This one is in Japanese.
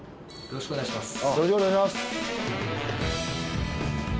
よろしくお願いします。